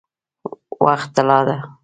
وخت طلا ده؟